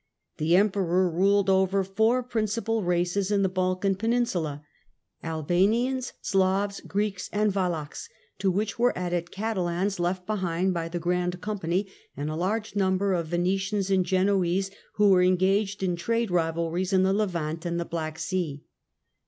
The Emperor ruled over four principal races in the Balkan Peninsula, Albanians, Slavs, Greeks, and Wallachs, to which were added Catalans left behind by the Grand Company, and a large number of Venetians and Genoese, who were engaged in trade rivalries in the Levant and the Black Sea.